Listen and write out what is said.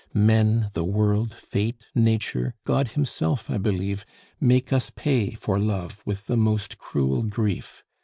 Men, the world, Fate, Nature, God Himself, I believe, make us pay for love with the most cruel grief.